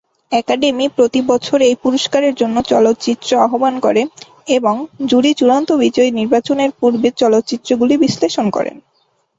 Academy প্রতি বছর এই পুরস্কারের জন্য চলচ্চিত্র আহ্বান করে এবং জুরি চূড়ান্ত বিজয়ী নির্বাচনের পূর্বে চলচ্চিত্রগুলি বিশ্লেষণ করেন।